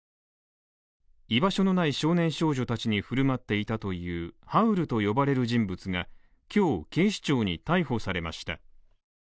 居場所のない少年・少女たちに振る舞っていたというハウルと呼ばれる人物が今日、警視庁に逮捕されました。